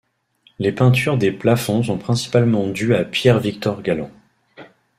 Les peintures des plafonds sont principalement dues à Pierre-Victor Galland.